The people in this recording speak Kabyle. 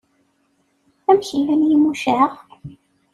Amek llan Yimucaɣ?